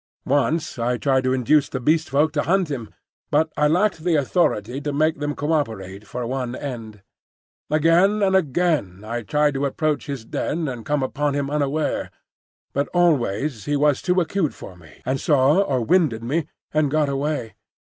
Once I tried to induce the Beast Folk to hunt him, but I lacked the authority to make them co operate for one end. Again and again I tried to approach his den and come upon him unaware; but always he was too acute for me, and saw or winded me and got away.